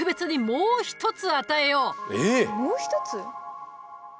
もう一つ？